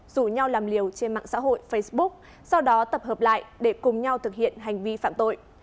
rủ nhau làm liều trên mạng xã hội facebook sau đó tập hợp lại để cùng nhau thực hiện hành vi phạm tội